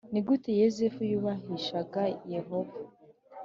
Ni gute Yozefu yubahishaga Yehova